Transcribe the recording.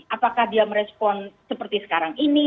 apakah dia merespon seperti sekarang ini